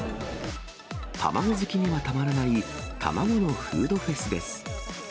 卵好きにはたまらない、卵のフードフェスです。